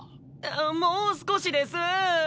もう少しです！